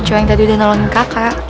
cuma yang tadi udah nolongin kakak